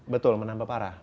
betul menambah parah